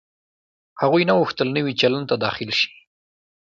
هغوی نه غوښتل نوي چلند ته داخل شي.